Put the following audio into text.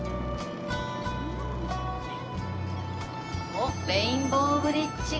おっレインボーブリッジが。